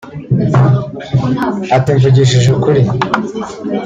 Ati “Mvugishije ukuri